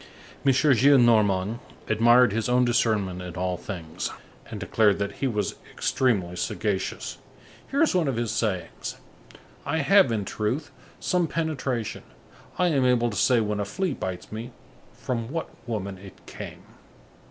M. Gillenormand admired his own discernment in all things, and declared that he was extremely sagacious; here is one of his sayings: "I have, in truth, some penetration; I am able to say when a flea bites me, from what woman it came."